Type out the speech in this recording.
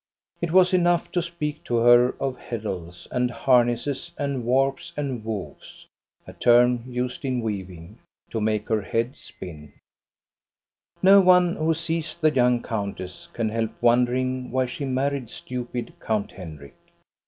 It was enough to speak to her of heddles, and harnesses, and warps, and woofs,^ to make her head spin. No one who sees the young countess can help wondering why she married stupid Count Henrik.